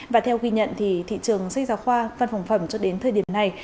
và theo ghi nhận thì thị trường sách giáo khoa văn phòng phẩm cho đến thời điểm này